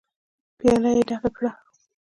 پياله يې ډکه کړه.